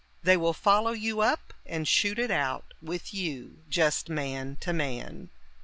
They will follow you up and shoot it out with you just man to man.